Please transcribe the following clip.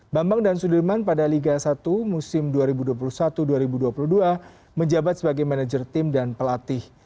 bambang dan sudirman pada liga satu musim dua ribu dua puluh satu dua ribu dua puluh dua menjabat sebagai manajer tim dan pelatih